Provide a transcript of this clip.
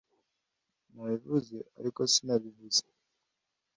Nabivuze, ariko sinabivuze.